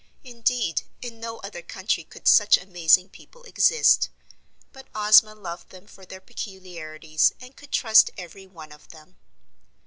Indeed, in no other country could such amazing people exist. But Ozma loved them for their peculiarities and could trust every one of them.